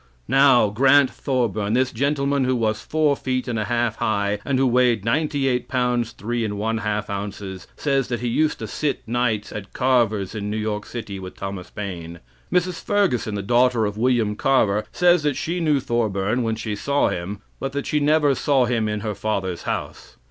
Now, Grant Thorburn this gentleman who was "four feet and a half high, and who weighed ninety eight pounds three and one half ounces" says that he used to sit nights at Carver's, in New York, with Thomas Paine. Mrs. Ferguson, the daughter of William Carver, says that she knew Thorburn when she saw him, but that she never saw him in her father's house.